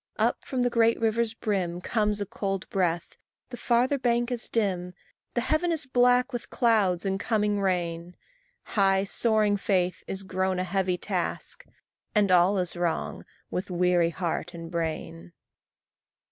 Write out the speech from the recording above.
Up from the great river's brim Comes a cold breath; the farther bank is dim; The heaven is black with clouds and coming rain; High soaring faith is grown a heavy task, And all is wrong with weary heart and brain.